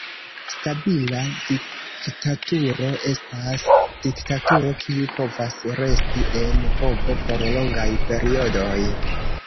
Stabila diktaturo estas diktaturo kiu povas resti en povo por longaj periodoj.